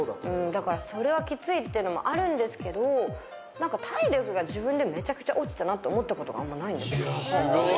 だから、それはきついっていうのもあるんですけど何か体力が自分でめちゃくちゃ落ちたなって思ったことがあんまないんです。